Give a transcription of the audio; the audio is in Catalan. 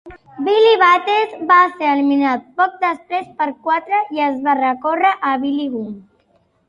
Billy Bates va ser eliminat poc després per quatre i es va recórrer a Billy Gunn.